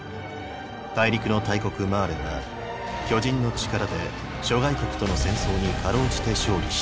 大陸の大国マーレは巨人の力で諸外国との戦争にかろうじて勝利した。